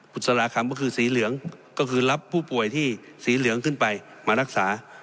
สารคำก็คือสีเหลืองก็คือรับผู้ป่วยที่สีเหลืองขึ้นไปมารักษา